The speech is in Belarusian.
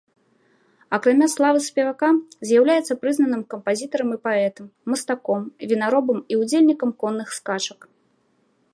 Акрамя славы спевака, з'яўляецца прызнаным кампазітарам і паэтам, мастаком, вінаробам і ўдзельнікам конных скачак.